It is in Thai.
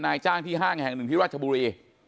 นายจ้างที่ห้างแห่งหนึ่งที่ราชบุรี